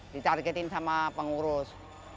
ditargetin sama pengurus